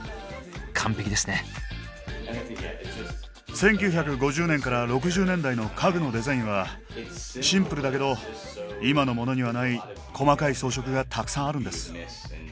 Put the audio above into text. １９５０年から６０年代の家具のデザインはシンプルだけど今のモノにはない細かい装飾がたくさんあるんです。